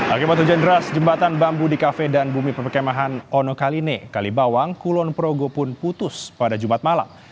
akibat hujan deras jembatan bambu di kafe dan bumi perkemahan ono kaline kalibawang kulon progo pun putus pada jumat malam